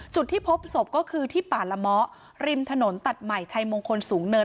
จุดที่พบศพก็คือที่ป่าละเมาะริมถนนตัดใหม่ชัยมงคลสูงเนิน